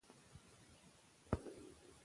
موږ په ګډه د پښتو ادب خدمت کوو.